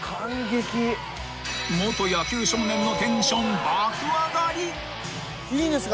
［元野球少年のテンション爆上がり］いいんですか？